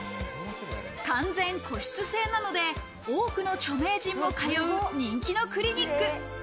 完全個室制なので多くの著名人も通う人気のクリニック。